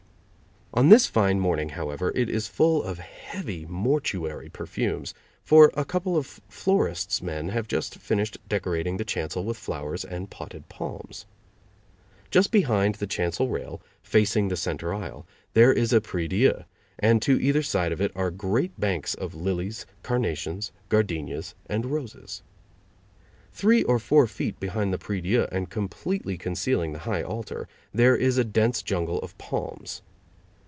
On this fine morning, however, it is full of heavy, mortuary perfumes, for a couple of florist's men have just finished decorating the chancel with flowers and potted palms. Just behind the chancel rail, facing the center aisle, there is a prie dieu, and to either side of it are great banks of lilies, carnations, gardenias and roses. Three or four feet behind the prie dieu and completely concealing the high altar, there is a dense jungle of palms.